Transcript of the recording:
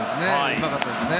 うまかったですね。